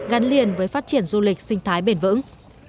gắn liền với phát triển du lịch sinh thái bền vững